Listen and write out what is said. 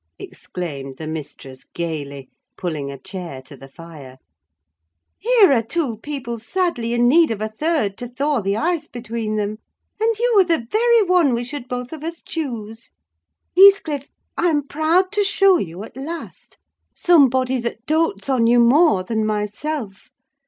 exclaimed the mistress, gaily, pulling a chair to the fire. "Here are two people sadly in need of a third to thaw the ice between them; and you are the very one we should both of us choose. Heathcliff, I'm proud to show you, at last, somebody that dotes on you more than myself.